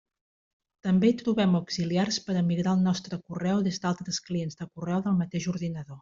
També hi trobem auxiliars per a migrar el nostre correu des d'altres clients de correu del mateix ordinador.